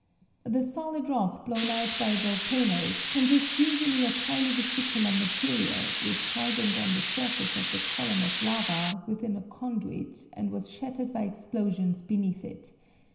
"The solid rock blown out by volcanoes consists usually of highly vesicular material which hardened on the surface of the column of lava within a conduit and was shattered by explosions beneath it.